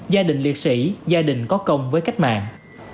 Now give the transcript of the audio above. gia đình liệt sĩ gia đình có công với cách mạng